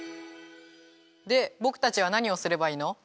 でぼくたちはなにをすればいいの？